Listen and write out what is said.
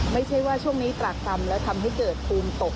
ไม่ใช่ว่าช่วงนี้ตรากต่ำแล้วทำให้เกิดภูมิตก